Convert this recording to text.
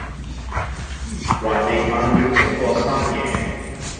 還漓漫了整個山野